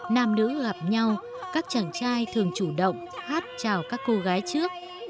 nam nữ gặp nhau các chàng trai thường chủ động hát chào các cô gái trước